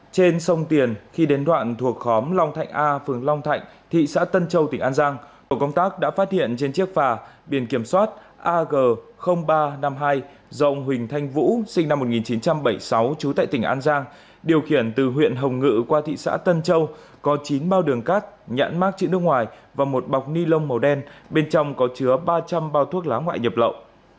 trên sông tiền khi đến đoạn thuộc khóm long thạnh a phường long thạnh thị xã tân châu tỉnh an giang một công tác đã phát hiện trên chiếc phà biển kiểm soát ag ba trăm năm mươi hai dòng huỳnh thanh vũ sinh năm một nghìn chín trăm bảy mươi sáu trú tại tỉnh an giang điều khiển từ huyện hồng ngự qua thị xã tân châu có chín bao đường cát nhãn mát chữ nước ngoài và một bọc ni lông màu đen bên trong có chứa ba trăm linh bao thuốc lá ngoại nhập lậu